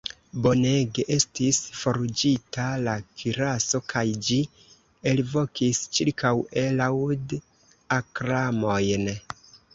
Bonege estis forĝita la kiraso kaj ĝi elvokis ĉirkaŭe laŭd-aklamojn.